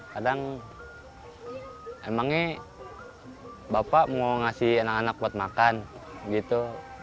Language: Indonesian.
kadang emangnya bapak mau ngasih anak anak buat makan gitu